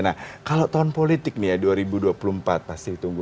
nah kalau tahun politik nih ya dua ribu dua puluh empat pasti ditunggu